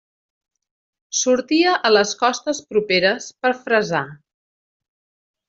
Sortia a les costes properes per fresar.